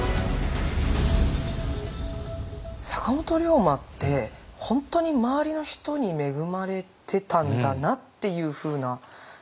坂本龍馬って本当に周りの人に恵まれてたんだなっていうふうな気持ちになりましたね。